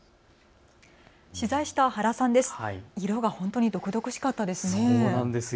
取材した原さんです。